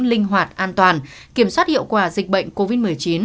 linh hoạt an toàn kiểm soát hiệu quả dịch bệnh covid một mươi chín